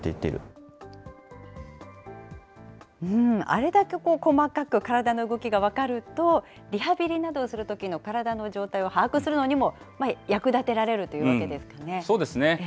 あれだけ細かく体の動きが分かると、リハビリなどをするときの体の状態を把握するのにも、そうですね。